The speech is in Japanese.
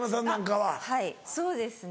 はいそうですね